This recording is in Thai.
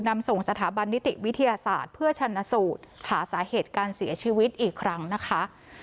นำส่งสถาบันนิติวิทยาศาสตร์เพื่อชันสูตรหาสาเหตุการเสียชีวิตอีกครั้งนะคะ